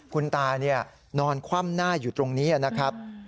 คุณตานอนคว่ำหน้าอยู่ตรงนี้นะครับ